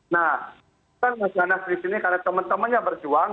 nah kan mas janas di sini karena teman temannya berjuang